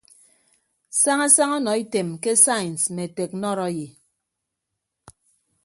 Saña saña ọnọ item ke sains mme teknọrọyi.